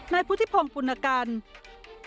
นายพุทธิพงศ์ฟุนกรรม